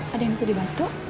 ada yang bisa dibantu